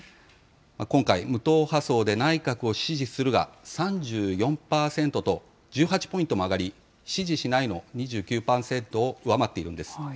今回、無党派層で内閣を支持するが３４％と１８ポイントも上がり、支持しないの２９％を上回っているんです。